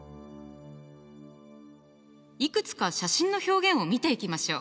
いくつか写真の表現を見ていきましょう。